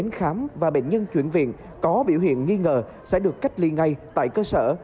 khám và bệnh nhân chuyển viện có biểu hiện nghi ngờ sẽ được cách ly ngay tại cơ sở